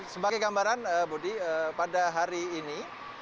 sebagai gambaran budi pada hari ini